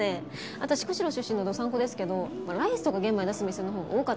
私釧路出身の道産子ですけどライスとか玄米を出す店のほうが多かったし。